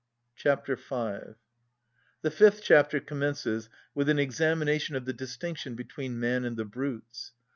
Chapter V. The fifth chapter commences with an examination of the distinction between man and the brutes.